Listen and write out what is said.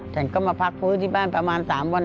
ฉันก็มาพักฟื้นที่บ้านประมาณ๓วัน